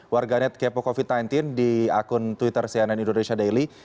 warganetkepocovid sembilan belas di akun twitter cnn indonesia daily